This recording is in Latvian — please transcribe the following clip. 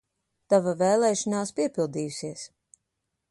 Tava vēlēšanās piepildījusies!